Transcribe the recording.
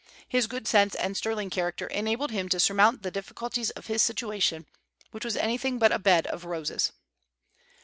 His good sense and sterling character enabled him to surmount the difficulties of his situation, which was anything but a bed of roses.